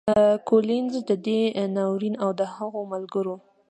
کولینز د دې ناورین او د هغو ملګرو